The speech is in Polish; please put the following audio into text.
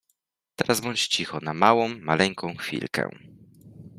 Teraz bądź cicho na małą, maleńką chwilkę…